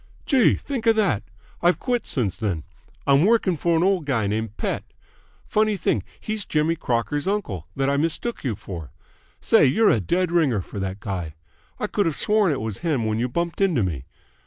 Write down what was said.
"Gee! Think of that! I've quit since then. I'm working for an old guy named Pett. Funny thing, he's Jimmy Crocker's uncle that I mistook you for. Say, you're a dead ringer for that guy! I could have sworn it was him when you bumped into me.